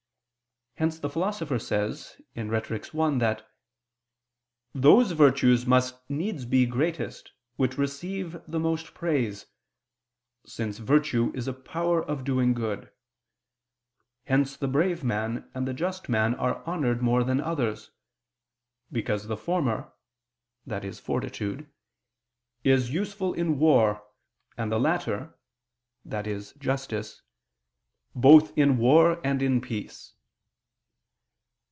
Hence the Philosopher says (Rhet. 1) that "those virtues must needs be greatest which receive the most praise: since virtue is a power of doing good. Hence the brave man and the just man are honored more than others; because the former," i.e. fortitude, "is useful in war, and the latter," i.e. justice, "both in war and in peace."